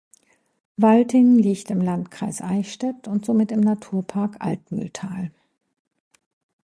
Walting liegt im Landkreis Eichstätt und somit im Naturpark Altmühltal.